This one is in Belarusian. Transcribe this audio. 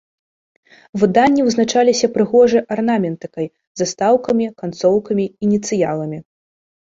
Выданні вызначаліся прыгожай арнаментыкай, застаўкамі, канцоўкамі, ініцыяламі.